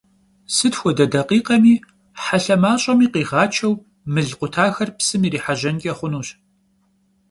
Sıt xuede dakhikhemi helhe maş'emi khiğaçeu mıl khutaxer psım yirihejenç'e xhunuş.